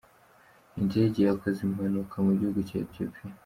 Indege yakoze impanuka mu gihugu cya Etiyopiya